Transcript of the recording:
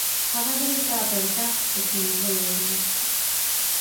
هغه بیرته پر تخت کښېنولی دی.